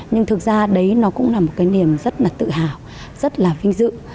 nhưng thực ra đấy nó cũng là một cái niềm rất là tự hào rất là vinh dự